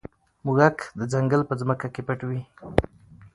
موږک د ځنګل په ځمکه کې پټ وي.